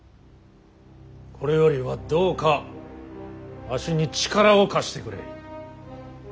これよりはどうかわしに力を貸してくれ。